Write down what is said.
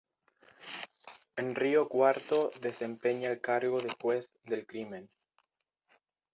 En Río Cuarto desempeña el cargo de juez del crimen.